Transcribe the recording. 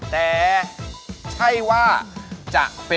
แต่